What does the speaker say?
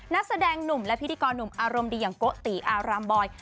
นักแสดงหนุ่มและพิธีกรหนุ่มอารมณ์ดีอย่างโกติอารามบอย